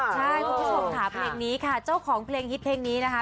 ใช่คุณผู้ชมค่ะเพลงนี้ค่ะเจ้าของเพลงฮิตเพลงนี้นะคะ